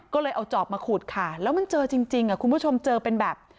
ก็เลยเอาจอบมาขุดค่ะแล้วมันเจอจริงคุณผู้ชมเจอเป็นแบบ